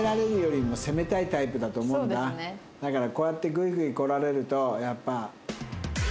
だからこうやってグイグイこられるとやっぱ。